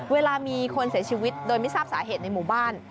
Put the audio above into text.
เวลามีคนเสียชีวิตโดยไม่ทราบสาเหตุในหมู่บ้าน